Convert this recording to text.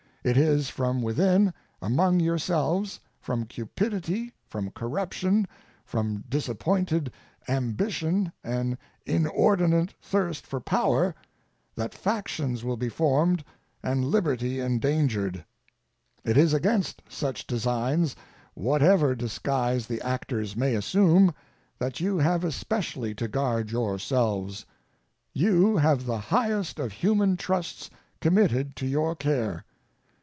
It is from within, among yourselves from cupidity, from corruption, from disappointed ambition and inordinate thirst for power that factions will be formed and liberty endangered. It is against such designs, whatever disguise the actors may assume, that you have especially to guard yourselves. You have the highest of human trusts committed to your care.